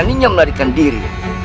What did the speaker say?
aku beraninya melarikan diri